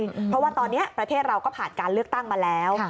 เพราะว่าตอนนี้ประเทศเราก็ผ่านการเลือกตั้งมาแล้ว